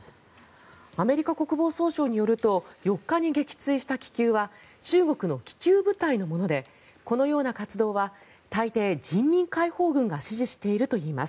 アメリカ国防総省によると４日に撃墜した気球は中国の気球部隊のものでこのような活動は大抵人民解放軍が指示しているといいます。